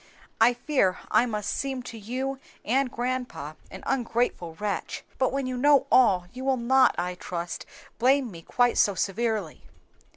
I fear I must seem to you and grandpa an ungrateful wretch; but when you know all, you will not, I trust, blame me quite so severely."